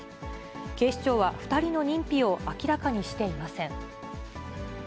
警視庁は２人の認否を明らかにしていません。